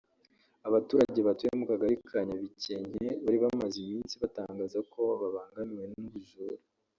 Abaturage batuye mu Kagari ka Nyabikenke bari bamaze iminsi batangaza ko babangamiwe n’ubujura